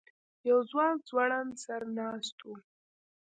یو ځوان ځوړند سر ناست و.